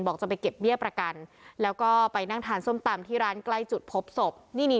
จะไปเก็บเบี้ยประกันแล้วก็ไปนั่งทานส้มตำที่ร้านใกล้จุดพบศพนี่นี่